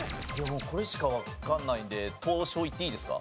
これしかわかんないんで東証いっていいですか？